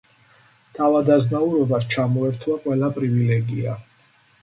თავადაზნაურობას ჩამოერთვა ყველა პრივილეგია.